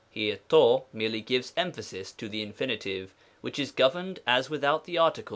Here to merely gives emphasis to the Infin., which is governed as without the article, i.